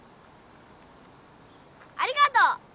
ありがとう！